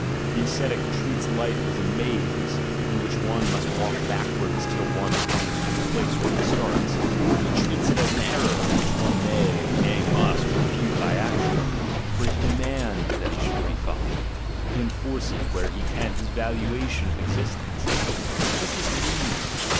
The ascetic treats life as a maze, in which one must walk backwards till one comes to the place where it starts; or he treats it as an error which one may, nay must, refute by action: for he de mands that he should be followed; he enforces, where he can, his valuation of existence. What does this mean?